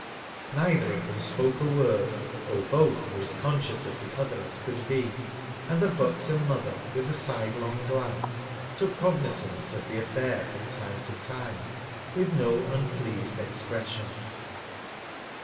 Neither of them spoke a word, though both were as conscious of the other ; j as could be ; and the buxom mother, with ; a side long glance, took cognizance of the affair from time to time, with no unpleased expression.